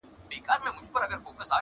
مور تر ټولو زياته ځورېږي تل،